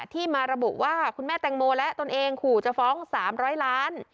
ที่มาระบุว่าคุณแม่แตงโมและตนเองขู่จะฟ้อง๓๐๐ล้าน